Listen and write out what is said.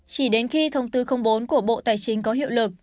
chỉ đến khi thông tư bốn của bộ tài chính có hiệu lực